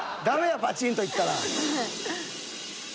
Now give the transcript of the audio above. ダメよバチン！といったら。